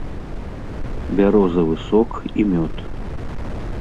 Бярозавы сок і мёд.